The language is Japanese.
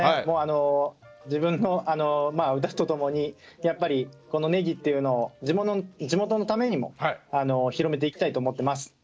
もう自分の歌とともにやっぱりこのネギっていうのを地元のためにも広めていきたいと思ってます。